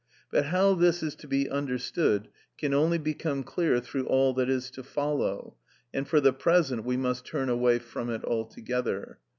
But how this is to be understood can only become clear through all that is to follow, and for the present we must turn away from it altogether.